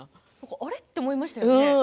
あれ？と思いましたよね。